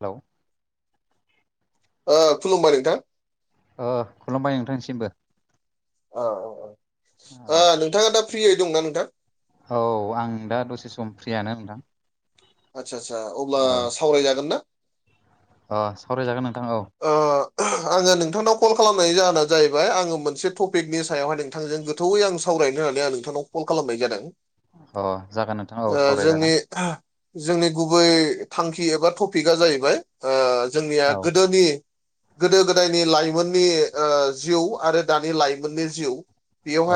औ। औ खुलुमबाय नोंथां ओ खुलुमबाय नोंथांनिसिमबो अ अ औ अ नोंथाङा दा फ्रियै दंना नोंथां औ आं दा दसे सम फ्रियानो नोंथां आदसा आदसा अब्ला औ सावरायजागोन ना अ सावरायजागोन नोंथां औ ओ आङो नोंथांनाव कल खालामनायनि जाहोना जाहैबाय आङो मोनसे टपिकनि सायावहाय नोंथांजों गोथौवै आं सावरायनो होननानै आं नोंथांनाव कल खालामनाय जादों अ जागोन नोंथां औ अ जोंनि सावरायजागोन जोंनि गुबै थांखि एबा टपिकआ जाहैबाय जोंनिया औ गोदोनि गोदो गोदायनि लाइमोननि जिउ आरो दानि लाइमोननि जिउ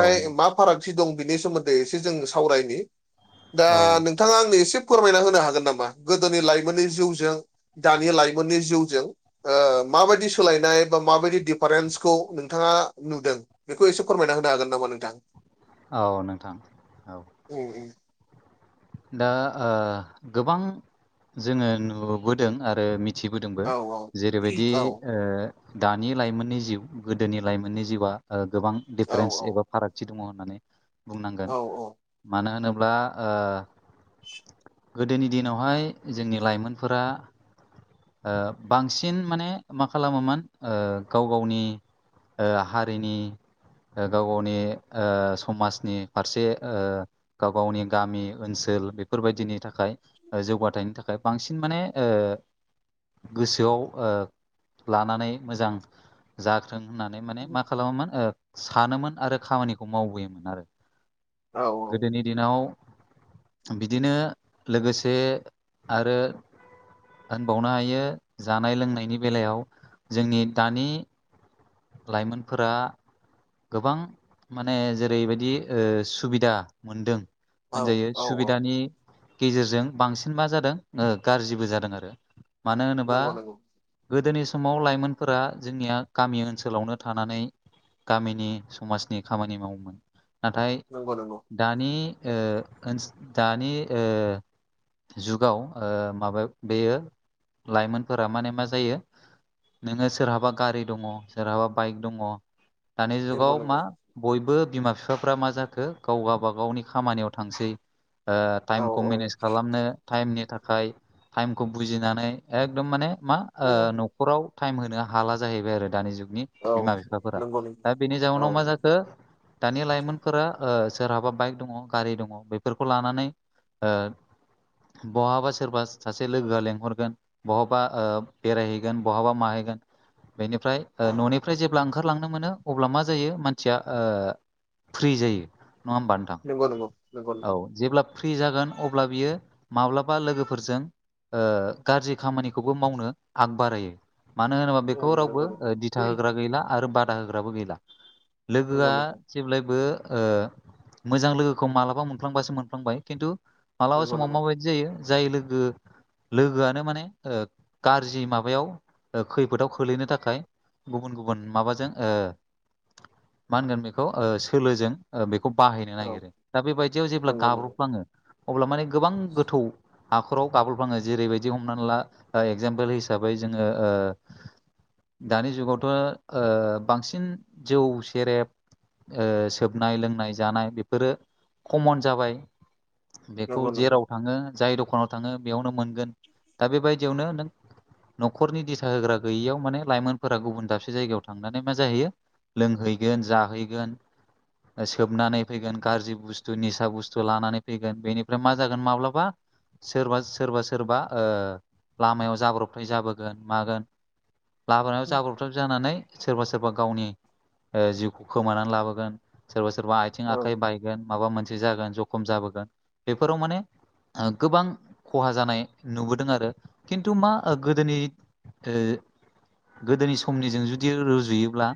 औ मा फारागथि दं बिनि सोमोन्दै एसे जों सावरायनि दा औ नोंथाङा आंनो एसे फोरमायना होनो हागोन नामा गोदोनि लाइमोननि जिउजों दानि लाइमोननि जिउजों माबायदि सोलायनाय बा माबायदि दिफारेन्सखौ नोंथाङा नुदों बेखौ एसे फोरमायना होनो हागोन नामा नोंथां औ नोंथां औ उम उम दा गोबां जोङो नुबोदों आरो मिथि थिबोदोंबो औ जेरैबायदि औ ओ दानि लाइमोननि जिउ गोदोनि लाइमोननि जिउआ गोबां औ दिफारेन्स औ एबा फारागथि दङ होननानै बुंनांगोन औ मानो होनोब्ला गोदोनि दिनावहाय जोंनि लाइमोनफोरा बांसिन माने मा खालामोमोन गाव गावनि ओ हारिनि गाव गावनि समाजनि फारसे गाव गावनि गामि ओनसोल बेफोरबायदिनि थाखाय जौगाथायनि थाखाय बांसिन माने गोसोआव लानानै मोजां जाथों होननानै माने मा खालामोमोन सानोमोन आरो खामानिखौ मावबोयोमोन आरो औ औ गोदोनि दिनाव बिदिनो लोगोसे आरो होनबावनो हायो जानाय लोंनायनि बेलायाव जोंनि दानि लाइमोनफोरा गोबां माने जेरैबायदि सुबिदा मोनदों औ होनजायो औ औ सुबिदानि गेजेरजों बांसिन मा जादों गाज्रिबो जादों आरो मानो होनोबा नंगौ नंगौ गोदोनि समाव लाइमोनफोरा जोंनिया गामि ओनसोलावनो थानानै गामिनि समाजनि खामानि मावोमोन नाथाय नंगौ नंगौ दानि ओसोल दानि जुगाव माबा बेयो लाइमोनफोरा माने मा जायो नोङो सोरहाबा गारि दङ सोरहाबा बाइक दङ दानि नंगौ जुगाव मा नंगौ बयबो बिमा बिफाफ्रा मा जाखो गाव गाबा गावनि खामानियाव थांसै औ टाइमखौ औ मेनेज खालामनो टाइमनि थाखाय टाइमखौ बुजिनानै एकदम माने मा न औ न'खराव टाइम होनो हाला जाहैबाय आरो दानि जुगनि बिमा बिफाफोरा नंगौ नंगौ दा बेनि औ जाउनाव मा जाखो दानि लाइमोनफोरा सोरहाबा बाइक दङ गारि दङ बेफोरखौ लानानै बहाबा सोरबा सासे लोगोआ लेंंहरगोन बहाबा बेरायहैगोन बहाबा माहैगोन बेनिफ्राय न'निफ्राय जेब्ला ओंखारलांनो मोनो अब्ला मा जायो मानसिया ओ फ्रि जायो नङा होमबा नोंथां नंगौ नंगौ नंगौ नंगौ औ जेब्ला फ्रि जागोन अब्ला बियो माब्लाबा लोगोफोरजों ओ गाज्रि खामानिखौबो मावनो आवगायो बारायो मानो होनोब्ला बेखौ रावबो नंगौ नंगौ दिथा होग्रा गैला आरो बादा होग्राबो गैला नंगौ लोगोया जेब्लायबो ओ मोजां लोगोखौ मालाबा मोनफ्लांबासो मोनफ्लांबाय खिन्थु मालाबा नंगौ समाव नंगौ माबायदि जायो जाय लोगो लोगोयानो माने गाज्रि माबायाव खैफोदाव खोलैनो थाखाय गुबुन गुबुन माबाजों ओ मा होनगोन बेखौ ओ सोलोजों बेखौ बाहायनो औ नागिरो दा बेबायदियाव जेब्ला नंगौ नंगौ गाब्र'फ्लाङो अब्ला माने गोबां गोथौ हाखराव गाबलफाङो जेरैबायदि हमनानै ला एगजामपोल हिसाबै जोङो दानि जुगावथ' बांसिन जौ सेरेब ओ सोबनाय लोंनाय जानाय बेफोरो खमन जाबाय बेखौ नंगौ नंगौ जेराव थाङो जाय दखानाव थाङो बेयावनो मोनगोन दा बेबायदियावनो नों न'खरनि दिथा होग्रा गैयियाव माने लाइमोनफोरा गुबुन दाबसे जायगायाव थांनानै मा जाहैयो लोंहैगोन जाहैगोन सोबनानै फैगोन गाज्रि बुस्थु निसा बुस्थु लानानै फैगोन बेनिफ्राय मा जागोन माब्लाबा सोरबा सोरबा सोरबा ओ लामायाव जाब्रबथाय जाबोगोन मागोन लामायाव जाब्रब जानानै सोरबा सोरबा गावनि जिउखौ खोमानानै लाबोगोन सोरबा सोरबा आइ थिं औ आखाइ बायगोन माबा मोनसे जागोन जखम जाबोगोन बेफोराव माने गोबां खहा जानाय नुबोदों आरो खिन्थु मा गोदोनि गोदोनि समनिजों जुदि रुजुयोब्ला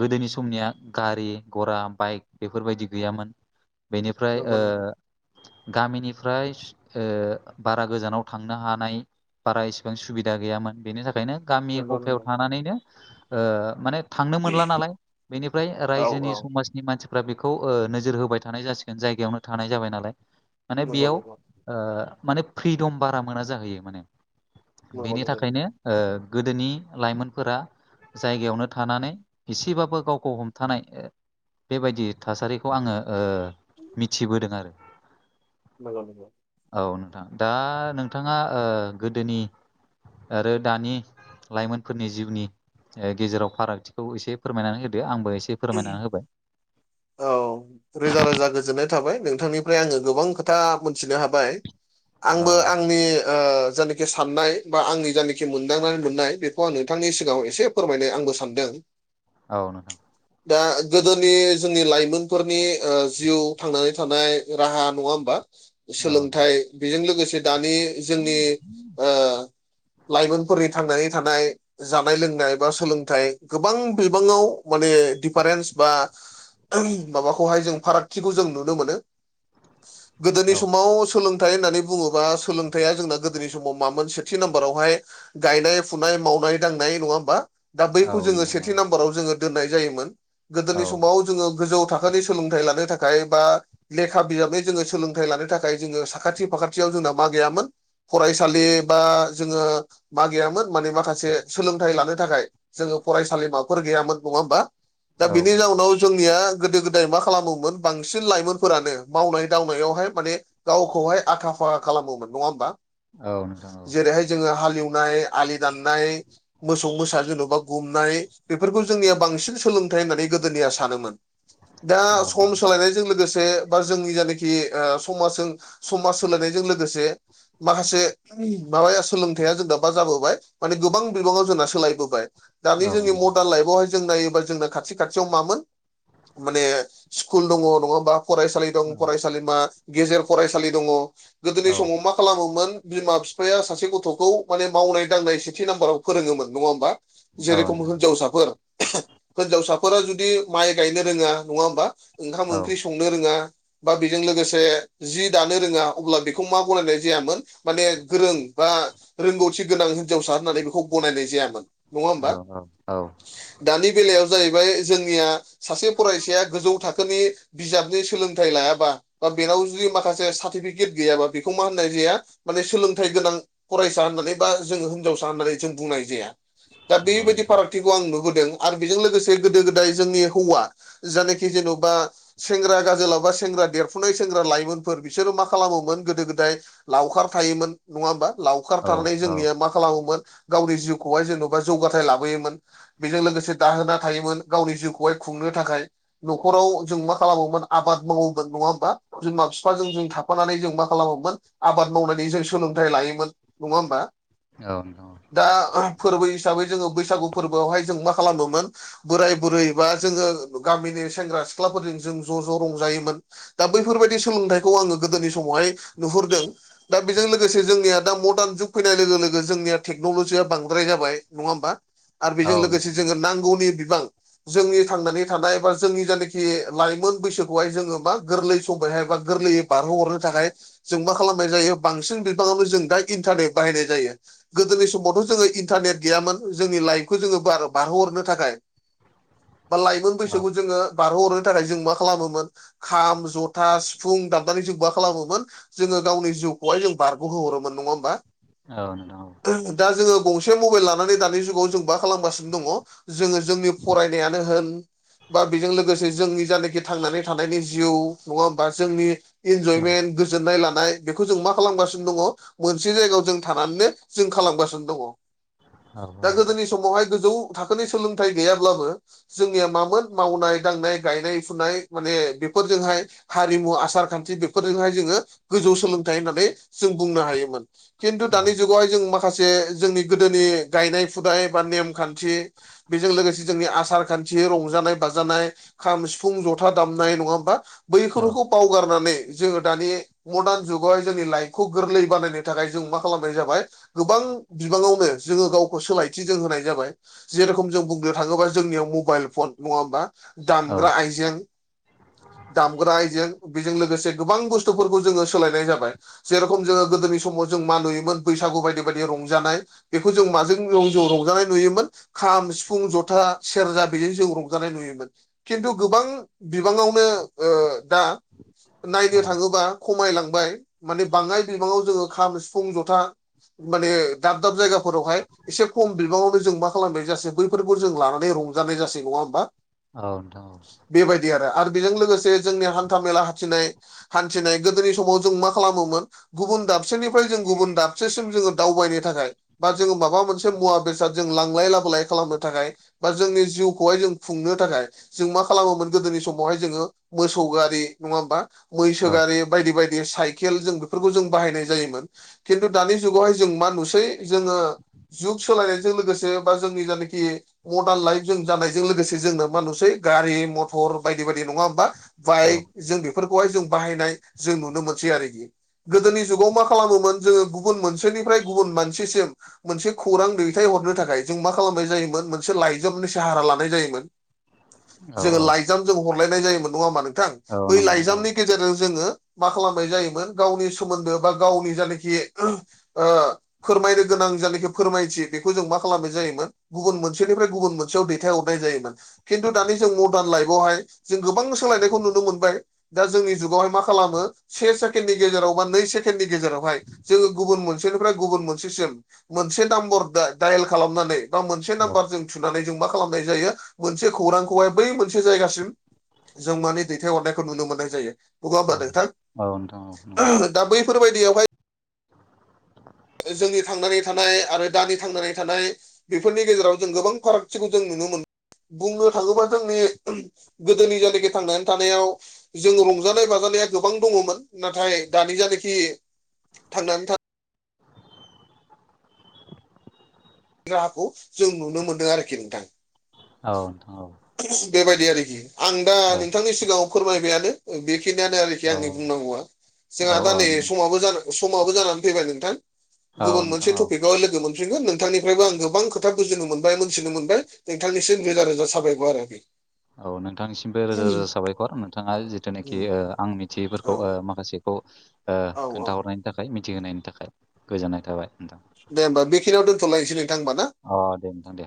गोदोनि समनिया गारि गरा बाइक बेफोरबायदि गैयामोन बेनिफ्राय नंगौ ओ नंगौ गामिनिफ्राय ओ बारा गोजानाव थांनो हानाय बारा इसिबां सुबिदा गैयामोन बेनि थाखायनो गामि नंगौ गफायाव नंगौ थानानैनो माने थांनो मोनला नालाय बेनिफ्राय औ औ रायजोनि समाज मानसिफ्रा बेखौ नोजोर होबाय थानाय जासिगोन जायगायावनो थानाय जाबाय नालाय माने नंगौ बेयाव नंगौ ओ माने फ्रिदम बारा मोना जाहैयो माने नंगौ बेनि नंगौ थाखायनो ओ गोदोनि लाइमोनफोरा जायगायावनो थानानै एसेबाबो गावखौ हमथानाय बेबायदि थासारिखौ आङो ओ मिथिबोदों आरो औ नंगौ औ नोंथां दा नोंथाङा ओ गोदोनि आरो दानि लाइमोनफोरनि जिउनि गेजेराव फारागथिखौ एसे फोरमायनानै होदो आंबो एसे फोरमायनानै होबाय औ रोजा रोजा गोजोननाय थाबाय नोंथांनिफ्राय आङो गोबां खोथा मोनथिनो हाबाय औ आंबो आंनि ओ जानाखि साननाय बा आंनि जायानाखि मोनदांनानै मोननाय बेखौ आं नोंथांनि सिगाङाव एसे फोरमायनो आंबो सानदों औ नोंथां दा गोदोनि जोंनि लाइमोनफोरनि जिउ थांनानै थानाय राहा नङा होमबा औ सोलोंथाइ बेजों लोगोसे दानि जोंनि ओ लाइमोनफोरनि थांनानै थानाय जानाय लोंनाय बा सोलोंथाइ गोबां बिबाङाव माने डिफारेन्स बा माबाखौहाय जों फारागथिखौ जों नुनो मोनो गोदोनि औ समाव सोलों थाय होननानै बुङोबा सोलोंथाइया जोंना गोदोनि समाव मामोन सेथि नाम्बारावहाय गायनाय फुनाय मावनाय दांनाय नङा होमबा दा औ बैखौ जोङो नोंथां औ सेथि नाम्बाराव जोङो दोननाय जायोमोन औ गोदोनि समाव ज जोङो गोजौ थाखोनि सोलोंथाइ लानो थाखाय बा लेखा बिजाबै जोङो सोलोंथाइ लानो थाखाय जोङो साखाथि फाखाथियाव जोंना मा गैयामोन? फरायसालि बा जोङो मा गैयामोन? माने माखासे सोलोंथाइ लानो थाखाय जोङो फरायसालिमाफोर गैयामोन नङा होमबा। दा औ बिनि जाउनाव जोंनिया गोदो गोदाय मा खालामोमोन बांसिन लाइमोनफोरानो मावनाय दांनायावहाय माने गावखौहाय आखा फाखा खालामोमोन नङा होमबा। औ नोंथां औ जेरैहाय जोङो हालेवनाय आलि दाननाय, मोसौ मोसा जेन'बा गुमनाय बेफोरखौ जोंनिया बांसिन सोलों होननानै गोदोनिया सानोमोन दा औ सम सोलायनायजों लोगोसे। बा जोंनि जायनाखि समाजजों समाज सोलायनायजों लोगोसे माखासे माबाया सोलोंथाइया जों दाबा जाबोबाय माने गोबां बिबाङाव जोंना सोलायबोबाय। दानि औ जोंनि मरदान लाइफआवहाय जों नायोब्ला जोंना खाथि खाथियाव मामोन? माने स्कुल दङ नङा होनबा फरायसालि दं फरायसालिमा गेजेर फरायसालि दङ गोदोनि औ समाव मा खालामोमोन बिमा बिफाया सासे गथ'खौ माने मावनाय दांनाय सेथि नाम्बाराव फोरोङोमोन नङा होमबा। औ जेरै- खम नोंथां हिन्जावसाफोर हिनजावसाफोरा जुदि माइ गायनो रोङा नङा होमबा ओंखाम औ ओंख्रि संनो रोङा। बा बेजों लोगोसे जि दानो रोङा अब्ला बेखौ मा गनायनाय जायामोन माने गोरों बा रोंगौथि गोनां हिनजावसा होननानै बेखौ गनायनाय जायामोन। नङा होमबा। औ औ दानि बेलायाव जाहैबाय जोंनिया सासे फरायसाया गोजौ थाखोनि बिजाबनि सोलोंथाइ लायाबा बा बेनाव जुदि माखासे सार्टिफिकेट गैयाबा बेखौ मा होननाय जाया माने सोलोंथाइ गोनां फरायसा होननानै बा जोङो हिनजावसा होननानै जों बुंनाय जाया। दा औ बेबायदि नोंथां फारागथि खौ आं नुबोदों आरो बेजों लोगोसे गोदो गोदाय जोंनि हौवा जनाखि जेन'बा सेंग्रा गाजोलावबा सेंग्रा देरफुनाय सेंग्रा लाइमोनफोर बिसोरो मा खालामोमोन गोदो गोदाय लावखार थायोमोन। नङा होमबा लावखार औ थानानै औ जोंनिया मा खालामोमोन गावनि जिउखौहाय जेन'बा जौगाथाय लाबोयोमोन। बेजों लोगोसे दाहोना थायोमोन गावनि जिउखौहाय खुंनो थाखाय। न'खराव जों मा खालामोमोन आबाद मावोमोन नङा होमबा। बिमा बिफाजों जों थाफानानै जों मा खालामोमोन आबाद मावनायनि जों सोलोंथाइ लायोमोन। नङा होमबा औ नोंथां दा फोरबो हिसाबै जोङो बैसागु फोरबोआवहाय जों मा खालामोमोन। बोराय बुरै बा जोङो गामिनि सेंग्रा सिख्लाफोरजों जों ज' ज' रंजायोमोन। दा बैफोरबायदि सोलोंथाइखौ आङो गोदोनि समावहाय नुहुरदों। दा बेजों लोगोसे जोंनिया दा मरडान जुग फैनाय लोगो लोगो जोंनिया टेक्न'लजिया बांद्राय जाबाय नङा होमबा। आरो औ बेजों लोगोसे नोंथां जोङो नांगौनि बिबां जोंनि थांनानै थानाय बा जोंनि जानखि लाइमोन बैसोखौहाय जोङो मा गोरलै समबायहाय बा गोरलैयै बारहोहरनो थाखाय जों मा खालामनाय जायो बांसिन बिबाङावनो जों दा इन्टारनेट बाहायनाय जायो। गोदोनि समावथ' जोङो इन्टारनेट गैयामोन। जोंनि लाइफखौ जोङो बा बारहोहरनो थाखाय बा लाइमोन औ बैसोखौ जोङो बारहोहरनो थाखाय जों मा खालामोमोन। खाम जथा सिफुं दामनानै जों मा खालामोमोन। जोङो गावनि जिउखौहाय जों बारग'होहरोमोन नङा होमबा। औ नोंथां औ। दा जोङो गंसे मबाइल लानानै दानि जुगाव जों मा खालामगासिनो दङ। जोङो जोंनि फरायनायानो होन बा बेजों लोगोसे जोंनि जानेखि थांनानै थानायनि जिउ नङा होनबा। जोंनि औ इनजयमेन गोजोननाय लानाय बेखौ जों मा खालामगासिनो दङ। मोनसे जायगायाव जों थानानैनो जों खालामगासिनो दङ। दा गोदोनि समावहाय गोजौ थाखोनि सोलोंथाइ गैयाब्लाबो जोंनिया मामोन मावनाय दांनाय गायनाय फुनाय माने बेफोरजोंहाय हारिमु आसार खान्थि बेफोरजोंहाय जोङो गोजौ सोलोंथाइ होननानै जों बुंनो हायोमोन। खिन्थु दानि औ जुग खौहाय जों माखासे जोंनि गोदोनि गायनाय फुनाय बा नेम थि बेजों लोगोसे जोंनि आसार खान्थि रंजानाय बाजानाय खाम सिफुं जथा दामनाय नङा होमबा औ बैखोरखौ बावगारनानै जोङो दानि मदार्न जुगावाय जोंनि लाइक खौ गोरलै बानायनो थाखाय जों मा खालामनाय जाबाय गोबां बिबाङावनो जोङो गावखौ सोलाय थि जों होनाय जाबाय जेरेखम जों बुंनो थाङोबा जोंनियाव मबाइल फन नङा होमबा? औ दामग्रा आइजें दामग्रा आयजें बिजों लोगोसे गोबां बुस्थुफोरखौ जोङो सोलायनाय जाबाय। जेरखम जोङो गोदोनि समाव जों मा नुयोमोन बैसागु बायदि बायदि रंजानाय बेखौ जों माजों [unintelligible] रंजानाय नुयोमोन। खाम सिफुं जथा सेरजा बेजों जों रंजानाय नुयोमोन। खिन्थु गोबां बिबाङावनो ओ दा औ नायनो थाङोबा खमायलांबाय माने बाङाय बिबाङाव जोङो खाम सिफुं जथा माने दाब दाब जायगाफोरावहाय एसे खम बिबाङावनो जों मा खालामनाय जासै बैफोरखौ जों लानानै रंजानाय जासै। नङा होमबा? औ नोंथां औ। बेबायदि आरो आरो बेजों लोगोसे जोंनि हान्था मेला हान्थिनाय हान्थिनाय गोदोनि समाव जों मा खालामोमोन गुबुन दाबसेनिफ्राय जों गुबुन दाबसेसिम जोङो दावबायनो थाखाय बा जोङो माबा मोनसे मुवा बेसाद जों लां ङलाय लाबोलाय खालामनो थाखाय बा जोंनि जिउखौहाय जों खुंनो थाखाय जों मा खालामोमोन गोदोनि समावहाय जोङो मोसौ गारि नङा होमबा? औ मैसो गारि बायदि बाय बे साइकेल जों बेफोरखौ जों बाहायनाय जायोमोन खिन्थु दानि जुगावहाय जों मा नुसै जोङो जुग सोलायनायजों लोगोसे बा जोंनि गामिखि मदान लाइफ जों जानायजों लोगोसे जोंना मा नुसै गारि मथर बायदि बायदि नङा होमबा? बाइक जों बेफोरखौहाय जों बाहायनाय जों नुनो मोनसै आरोखि। गोदोनि जुगाव मा खालामोमोन जोङो गुबुन मोनसेनिफ्राय गुबुन मानसिसिम मोनसे खौरां दैथाय हरनो थाखाय जों मा खालामनाय जायोमोन मोनसे लाइजामनि साहारा लानाय जायोमोन। औ जोङो लाइ औ जाम जों हरलायनाय जायोमोन नङा हामा नोंथां? औ बै नंगौ लाइजामनि गेजेरजों जोङो मा खालामनाय जायोमोन गावनि सोमोन्दो बा गावनि जानिखि ओ फोरमायनो गोनां जानिखि फोरमायथि बेखौ जों मा खालामनाय जायोमोन गुबुन मोनसेनिफ्राय गुबुन मोनसेयाव दैथाय हरनाय जायोमोन। खिन्थु दानि जों मदार्न लाइफआवहाय जों गोबां सोलायनायखौ नुनो मोनबाय। दा जोंनि जुगावहाय मा खालामो से सेकेण्डनि गेजेराव बा नै से केननि गेजेरावहाय जोङो गुबुन मोनसेनिफ्राय गुब मोनसेसिम मोनसे नाम्बर दा दाइल खालामनानै बा मोनसे औ नाम्बार जों थुनानै जों मा खालामनाय जायो मोनसे खौरांखौहाय बै मोनसे जायगासिम जों मानि दैथायहरनायखौ नुनो मोननाय जायो। बुङा औ होमबा नोंथां? औ नोंथां औ नंगौ दा बैफोरबायदियावहाय [inaudible] जोंनि थांनानै थानाय आरो दानि थांनानै थानाय बेफोरनि गेजेराव जों गोबां फारागथिखौ जों नुनो मोन बुंनो थाङोबा जोंनि गोदोनि जानिखि थांनानै थानायाव जों रंजानाय बाजानाया गोबां दङमोन नाथाय दानि जानिखि थांनानै था राहाखौ जों नुनो मोनदों आरोखि नोंथां। औ नोंथां औ। बेबायदि आरोखि आं दा औ नोंथांनि सिगाङाव फोरमायबायानो ओ बे बेखिनियानो आरोखि औ आंनि बुंनांगौआ औ जोंहा औ दा नै समाबो समाबो जानानै फैबाय नोंथां। गुबुन नोंथां मोनसे औ टपिकआव लोगो मोनफिनगोन नोंथांनि ओमफ्रायबो आं गोबां खोथा बुजिनो मोनबाय मोनथिनो मोनबाय नोंथांनिसिम रोजा रोजा साबायग' आरोखि। औ नोंथांनिसिमबो रोजा रोजा साबायखर नोंथाङा जिथुनाखि आं औ मिथियैफोरखौबो माखासे खौ ओ औ औ खोन्थाहरनायनि थाखाय मिथिहोनायनि थाखाय गोजोननाय थाबाय नोंथां। दे होमबा बेखनियाव दोनथ'लायसै नोंथां होमबा नामा? अ दे नोंथां दे।